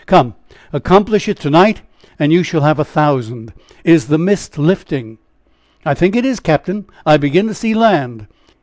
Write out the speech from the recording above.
Come, accomplish it to night, and you shall have a thousand. Is the mist lifting?" "I think it is, cap'n! I begin to see land."